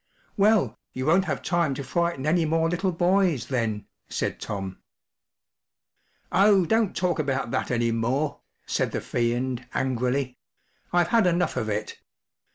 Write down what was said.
“ Well, you won’t have time to frighten any more little boys then,” said Tom. “ Oh, don’t talk about that any more,” said the Fiend, angrily; “ I’ve had enough of it.